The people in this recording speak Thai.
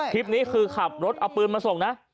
คลิปนี้คือขับรถเอาปืนมาส่งนะ